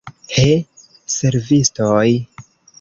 He, servistoj!